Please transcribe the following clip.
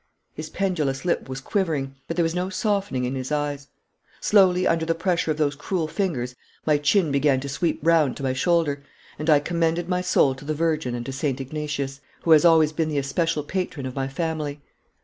His pendulous lip was quivering, but there was no softening in his eyes. Slowly under the pressure of those cruel fingers my chin began to sweep round to my shoulder, and I commended my soul to the Virgin and to Saint Ignatius, who has always been the especial patron of my family.